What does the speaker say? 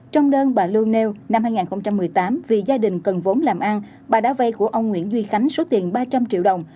trong đơn bà lương nêu năm hai nghìn một mươi tám vì gia đình cần vốn làm ăn bà đã vay của ông nguyễn duy khánh số tiền ba trăm linh triệu đồng